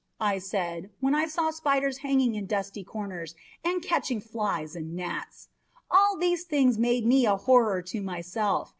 I said, when I saw spiders hanging in dusty corners, and catching flies and gnats. All these things made me a horror to myself.